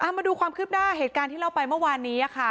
มาดูความคืบหน้าเหตุการณ์ที่เล่าไปเมื่อวานนี้ค่ะ